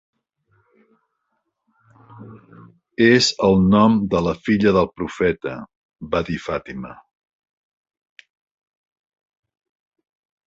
"És el nom de la filla del Profeta", va dir Fatima.